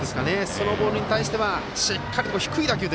そのボールに対してはしっかりと低い打球。